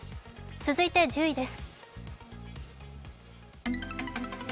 続いて１０位です。